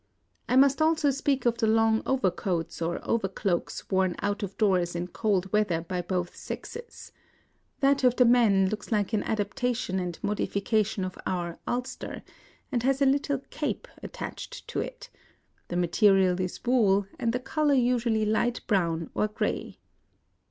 I must also speak of the long overcoats or overcloaks worn out of doors in cold weather by both sexes. That of the men looks like an adaptation and modification of our "ulster," and has a little cape attached to it : the mate 140 IN OSAKA rial is wool, and the color usually light brown or grey.